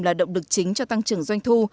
là động lực chính cho tăng trưởng doanh thu